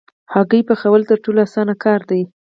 هګۍ پخول تر ټولو اسانه کار دی.